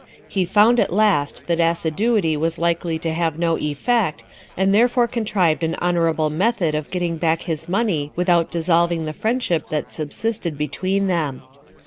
He found at last that assiduity was likely to have no effect, and therefore contrived an honourable method of getting back his money without dissolving the friendship that subsisted between them.